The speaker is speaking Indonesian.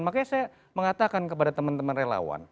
makanya saya mengatakan kepada teman teman relawan